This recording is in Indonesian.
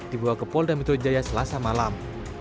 dibawa ke pol damitro jaya selasa malam